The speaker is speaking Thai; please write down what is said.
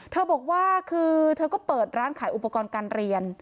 เธอบอกว่าคือเธอก็เปิดร้านขายอุปกรณ์การเรียน